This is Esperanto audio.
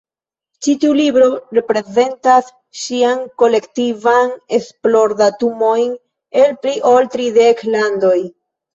Ĉi tiu libro reprezentas ŝian kolektivan esplordatumojn el pli ol tridek landoj.